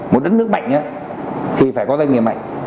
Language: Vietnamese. một đất nước mạnh thì phải có doanh nghiệp mạnh